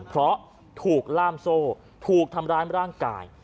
เพราะถูกล่ามโซ่ถูกทำร้ายร่างกาย